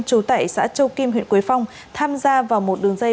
trù tẩy xã châu kim huyện quế phong tham gia vào một đường dây